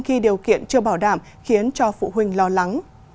khi điều kiện chưa bảo đảm khiến cho phụ huynh lo lắng